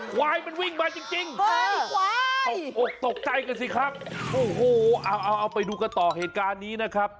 ควายมันวิ่งมาจริงตกอกตกใจกันสิครับโอ้โหเอาเอาไปดูกันต่อเหตุการณ์นี้นะครับ